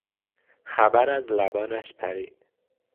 خبر از لبانش پرید.